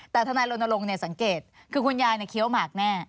แต่ธนายรณรงค์เนี่ยสังเกตคือคุณยายเนี่ยเคี้ยวหมากแน่